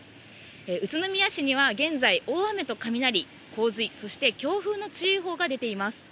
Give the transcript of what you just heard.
宇都宮市には現在、大雨と雷、洪水、そして強風の注意報が出ています。